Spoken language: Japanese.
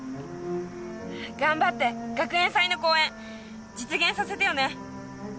頑張って学園祭の公演実現させてよね。